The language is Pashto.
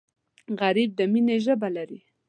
غریب د مینې ژبه لري